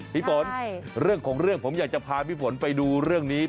พี่ฝนเรื่องของเรื่องผมอยากจะพาพี่ฝนไปดูเรื่องนี้